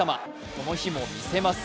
この日も見せます。